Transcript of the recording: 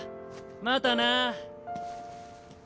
またな。